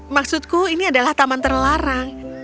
maksudku ini adalah taman terlarang